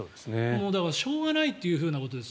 だからしょうがないということです。